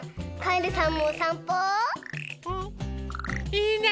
いいね。